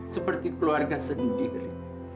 seperti keluarga sendiri